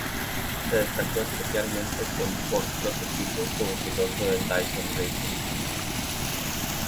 Se destacó especialmente con sport prototipos como piloto de Dyson Racing.